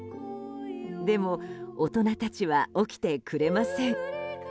でも、大人たちは起きてくれません。